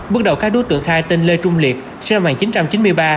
bước đầu các đối tượng khai tên lê trung liệt sinh năm một nghìn chín trăm chín mươi ba